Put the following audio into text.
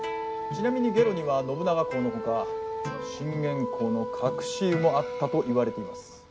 ちなみに下呂には信長公の他信玄公の隠し湯もあったといわれています。